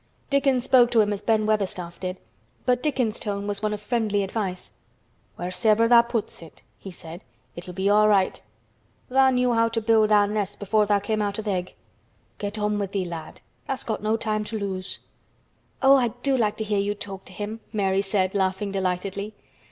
Dickon spoke to him as Ben Weatherstaff did, but Dickon's tone was one of friendly advice. "Wheres'ever tha' puts it," he said, "it'll be all right. Tha' knew how to build tha' nest before tha' came out o' th' egg. Get on with thee, lad. Tha'st got no time to lose." "Oh, I do like to hear you talk to him!" Mary said, laughing delightedly.